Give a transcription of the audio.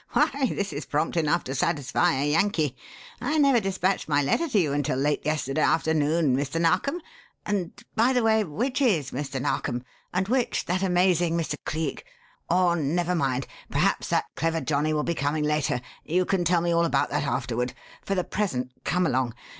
Why, this is prompt enough to satisfy a Yankee. I never dispatched my letter to you until late yesterday afternoon, Mr. Narkom, and by the way, which is Mr. Narkom, and which that amazing Mr. Cleek? Or, never mind perhaps that clever johnnie will be coming later; you can tell me all about that afterward. For the present, come along.